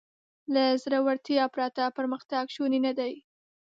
له زړهورتیا پرته پرمختګ شونی نهدی.